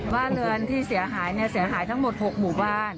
ว่าเรือนที่เสียหายเสียหายทั้งหมด๖หมู่บ้าน